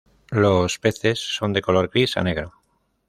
Los peces son de color gris a negro.